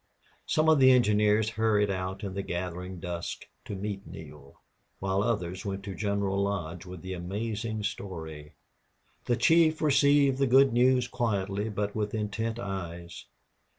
Some of the engineers hurried out in the gathering dusk to meet Neale, while others went to General Lodge with the amazing story. The chief received the good news quietly but with intent eyes.